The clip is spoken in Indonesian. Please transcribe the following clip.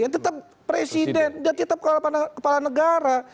tetap presiden tetap kepala negara